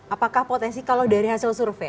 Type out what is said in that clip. apakah potensi kalau dari hasil survei